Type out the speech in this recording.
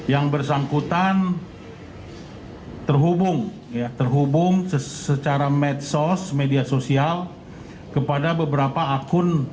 yang bersangkutan terhubung